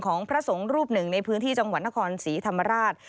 พระสงฆ์รูปหนึ่งในพื้นที่จังหวัดนครศรีธรรมราช